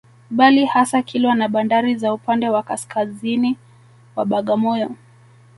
Bali hasa Kilwa na bandari za upande wa kaskaziini wa Bagamoyo